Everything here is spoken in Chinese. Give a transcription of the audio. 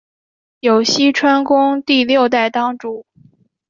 有栖川宫第六代当主。